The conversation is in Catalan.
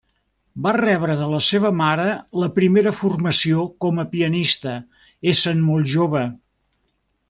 Va rebre de la seva mare la primera formació com a pianista, essent molt jove.